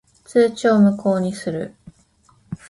通知を無効にする。